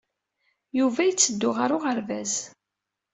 Yuba yetteddu ɣer uɣerbaz.